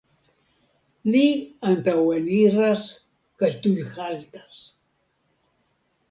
Li antaŭeniras kaj tuj haltas.